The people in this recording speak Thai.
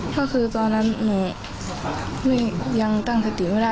ก็คือตอนนั้นหนูยังตั้งสติไม่ได้